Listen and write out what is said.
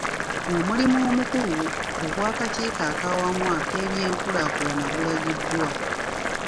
Omulimu omukulu ogw'akakiiko ak'awamu ak'ebyenkulaakulana gulagiddwa.